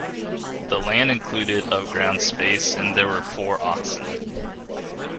The land included of ground space and there were four oxen.